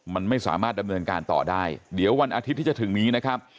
มันไม่สามารถดำเนินการต่อได้เดี๋ยววันอาทิตย์ที่จะถึงนี้นะครับ